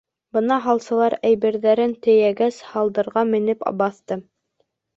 Бына һалсылар, әйберҙәрен тейәгәс, һалдарға менеп баҫты.